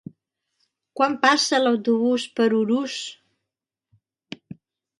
Quan passa l'autobús per Urús?